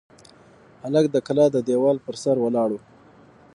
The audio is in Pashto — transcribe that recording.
هلک د کلا د دېوال پر سر ولاړ و.